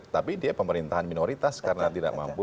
tapi dia pemerintahan minoritas karena tidak mampu